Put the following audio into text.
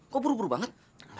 kok buru buru banget